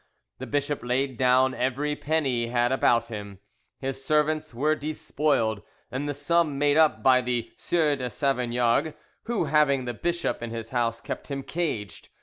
The bishop laid down every penny he had about him, his servants were despoiled, and the sum made up by the Sieur de Sauvignargues, who having the bishop in his house kept him caged.